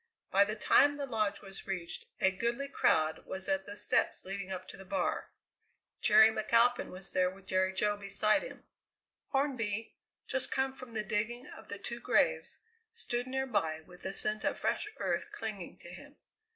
By the time the Lodge was reached a goodly crowd was at the steps leading up to the bar. Jerry McAlpin was there with Jerry Jo beside him. Hornby, just come from the digging of the two graves, stood nearby with the scent of fresh earth clinging to him.